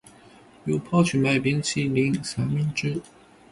又跑去买冰淇淋三明治